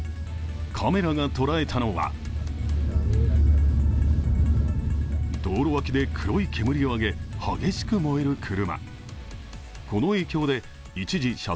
カメラが捉えたのは、道路脇で黒い煙を上げ激しく燃える車。